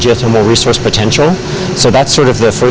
jadi itu adalah langkah pertama untuk sistem yang lebih mudah